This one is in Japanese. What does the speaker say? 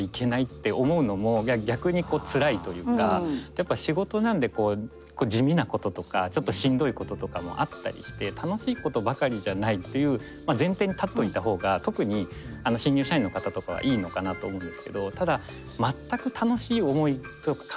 やっぱ仕事なんでこう地味なこととかちょっとしんどいこととかもあったりして楽しいことばかりじゃないという前提に立っといた方が特に新入社員の方とかはいいのかなと思うんですけど。